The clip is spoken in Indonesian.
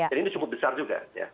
jadi ini cukup besar juga